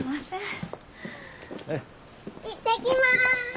行ってきます！